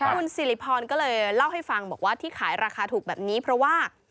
คุณสิริพรก็เลยเล่าให้ฟังบอกว่าที่ขายราคาถูกแบบนี้เพราะว่า